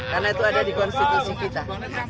karena itu ada di konstitusi kita